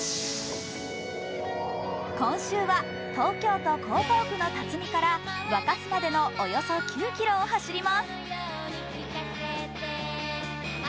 今週は東京都江東区の辰巳から若洲までのおよそ９ｋｍを走ります。